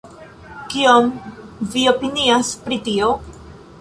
Kion vi opinias pri tio?